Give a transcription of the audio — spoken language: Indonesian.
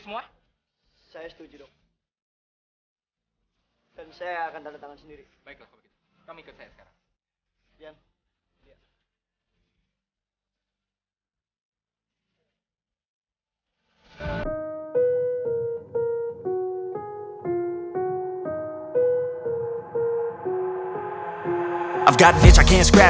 moi sedang berjaga jaga